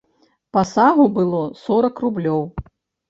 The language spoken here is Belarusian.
Пасагу было сорак рублёў.